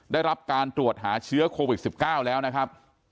ได้รับการตรวจหาเชื้อโควิด๑๙แล้วนะครับ